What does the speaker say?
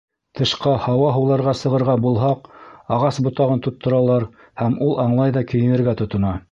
Тышҡа һауа һуларға сығырға булһаҡ, ағас ботағын тотторалар, һәм ул аңлай ҙа кейенергә тотона.